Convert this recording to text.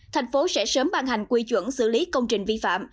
thành phố sẽ sớm ban hành quy chuẩn xử lý công trình vi phạm